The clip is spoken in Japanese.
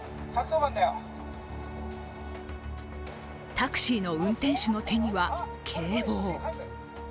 タクシーの運転手の手には、警棒。